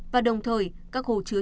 và đồng thời các hồ chứa